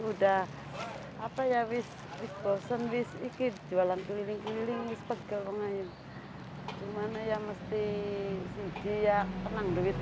udah apa ya wis wis wis ikut jualan keliling keliling mispekel ngayet gimana ya mesti dia tenang duit